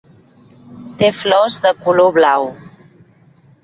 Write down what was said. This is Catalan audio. Té flors de color blau.